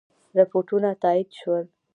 رپوټونه تایید شول.